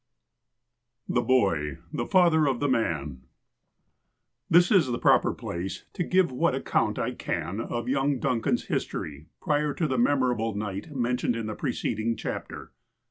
II THE BOY THE FATHER OF THE MAN THIS is the proper place to give what account I can of young Duncan's history prior to the memorable night mentioned in the preceding chapter.